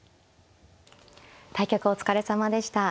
対局お疲れさまでした。